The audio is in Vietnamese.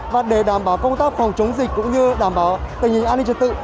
và để đảm bảo công tác phòng chống dịch cũng như đảm bảo tình hình an ninh trật tự